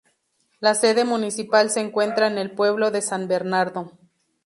La sede municipal se encuentra en el pueblo de San Bernardo.